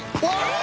え！